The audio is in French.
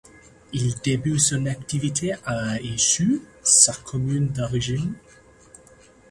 Il débute son activité à Ychoux, sa commune d'origine.